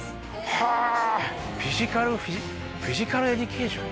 はぁフィジカルフィジカルエデュケーション？